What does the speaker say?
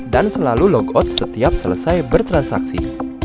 dan selalu logout setiap selesai bertransaksi